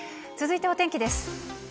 続いてお天気です。